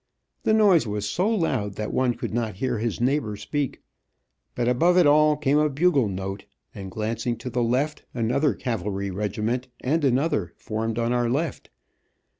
The noise was so loud that one could not hear his neighbor speak; but above it all came a buggle note, and glancing to the left, another cavalry regiment, and another, formed on our left.